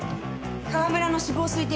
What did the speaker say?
川村の死亡推定